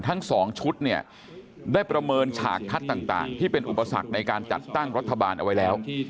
ทั้ง๒ชุดเนี่ยได้ประเมินฉากทัศน์ต่างที่เป็นอุปสรรคในการจัดตั้งรัฐบาลเอาไว้แล้ว